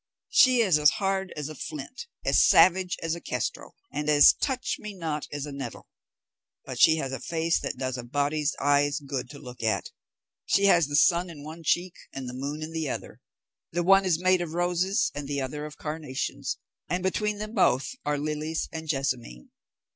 She is as hard as a flint, as savage as a kestrel, and as touch me not as a nettle; but she has a face that does a body's eyes good to look at. She has the sun in one cheek, and the moon in the other; the one is made of roses and the other of carnations, and between them both are lilies and jessamine.